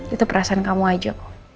itu perasaan kamu aja